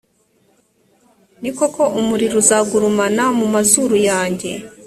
ni koko, umuriro uzagurumana mu mazuru yanjye.